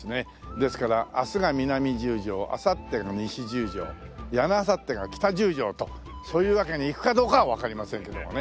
ですから明日が南十条あさってが西十条やのあさってが北十条とそういうわけにいくかどうかはわかりませんけどもね。